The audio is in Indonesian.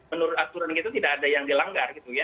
menurut aturan kita tidak ada yang dilanggar gitu ya